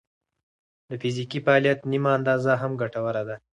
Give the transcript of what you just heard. د فزیکي فعالیت نیمه اندازه هم ګټوره ده.